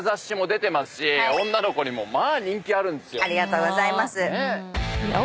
ありがとうございます。